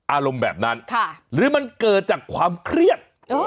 อารมณ์แบบนั้นหรือมันเกิดจากความเครียด